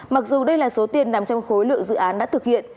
mặc dù đây là số tiền nằm trong khối lượng dự án đã thực hiện